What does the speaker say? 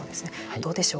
どうでしょう。